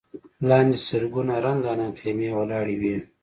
لاندې سلګونه رنګارنګ خيمې ولاړې وې.